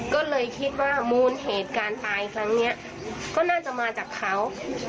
ก็เลยคิดว่ามูลเหตุการตายครั้งนี้ก็น่าจะมาจากเขา